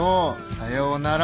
さようなら。